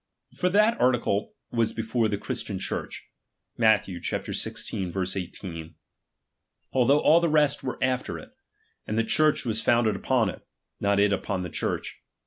For that article was before the Christian Churefi, (Matth. xvi, 18), although all the rest were after it ; and the Church was founded upon it, not it npon the Church.